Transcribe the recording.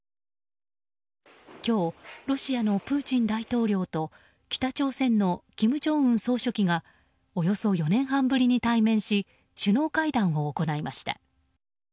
今日、ロシアのプーチン大統領と北朝鮮の金正恩総書記がおよそ４年半ぶりに対面し首脳会談を行いました。